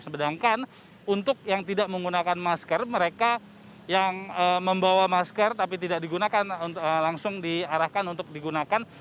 sedangkan untuk yang tidak menggunakan masker mereka yang membawa masker tapi tidak digunakan langsung diarahkan untuk digunakan